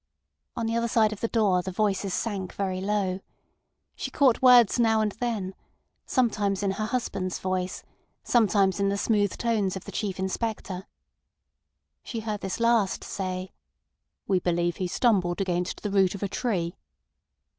On the other side of the door the voices sank very low. She caught words now and then, sometimes in her husband's voice, sometimes in the smooth tones of the Chief Inspector. She heard this last say: "We believe he stumbled against the root of a tree?"